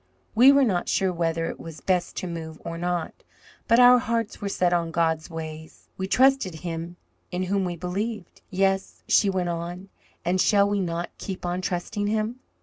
We were not sure whether it was best to move or not, but our hearts were set on God's ways. We trusted Him in whom we believed. Yes," she went on, "and shall we not keep on trusting Him?"